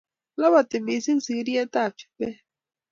Labatii missing sigiryetab chumbek